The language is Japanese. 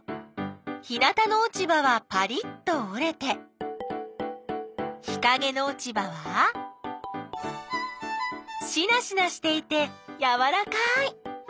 日なたのおちばはパリッとおれて日かげのおちばはしなしなしていてやわらかい！